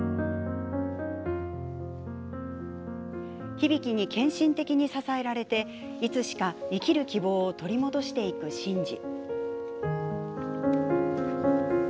響に献身的に支えられていつしか生きる希望を取り戻していく真治。